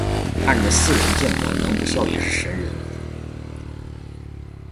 看着似人建模能不笑也是神人